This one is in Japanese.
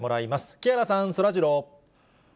木原さん、そらジロー。